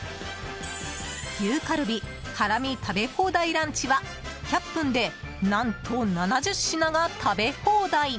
牛カルビ・ハラミ食べ放題ランチは１００分で何と７０品が食べ放題。